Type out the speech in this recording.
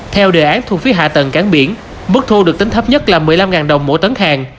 theo đề án thu phí hạ tầng cảng biển mức thu được tính thấp nhất là một mươi năm đồng mỗi tấn hàng